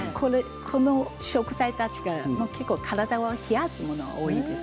この食材たち結構体を冷やすもの多いです。